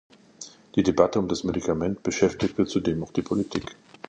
Die Debatte um das Medikament beschäftigte zudem auch die Politik.